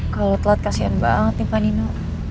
kalo telat kasian banget nih mbak nino